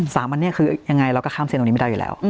สามอันนี้คือยังไงเราก็ข้ามเส้นตรงนี้ไม่ได้อยู่แล้ว